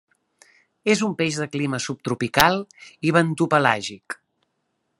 És un peix de clima subtropical i bentopelàgic.